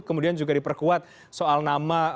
kemudian juga diperkuat soal nama